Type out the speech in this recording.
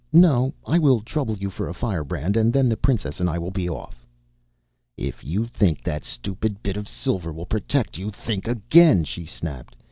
No, I will but trouble you for a firebrand and then the princess and I will be off." "If you think that stupid bit of silver will protect you, think again," she snapped.